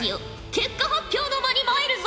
結果発表の間に参るぞ。